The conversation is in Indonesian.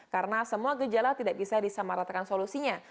karena semua gejala tidak bisa disamaratakan solusinya